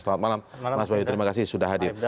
selamat malam mas bayu terima kasih sudah hadir